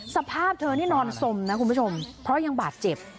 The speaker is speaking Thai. สภาพเธอนี่นอนสมนะคุณผู้ชมเพราะยังบาดเจ็บ